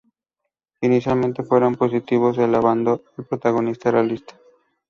Inicialmente, fueron positivos, alabando al protagonista realista.